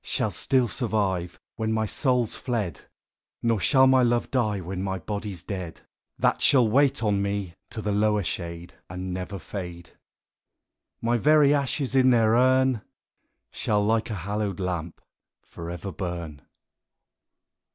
Shall still survive Wlien my soul's fled ; Nor shall my love die, when ray Ijody's dead ; That shall wait on me to the lower shade, And never fade : My very ashes in their urn Shall, like a hallowed lamp, for ever burn.